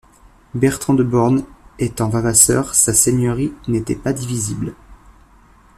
Bertran de Born étant vavasseur, sa seigneurie n'était pas divisible.